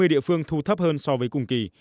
hai mươi địa phương thu thấp hơn so với cùng kỳ